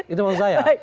itu maksud saya